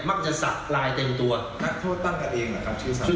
มักจะสักลายเต็มตัวนักโทษตั้งกันเองเหรอครับ